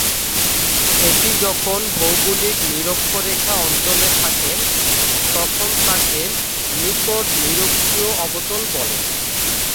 এটি যখন ভৌগোলিক নিরক্ষরেখা অঞ্চলে থাকে, তখন তাকে নিকট-নিরক্ষীয় অবতল বলে।